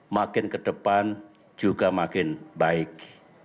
makin ke depan juga makin baik